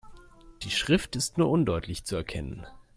Die Schrift ist nur undeutlich zu erkennen.